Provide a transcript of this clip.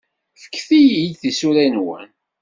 Fket-iyi-d tisura-nwen.